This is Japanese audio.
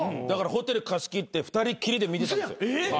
だからホテル貸し切って二人っきりで見てたんですよ。